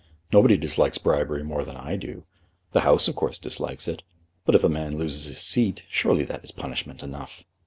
Nobody dislikes bribery more than I do. The House, of course, dislikes it. But if a man loses his seat, surely that is punishment enough."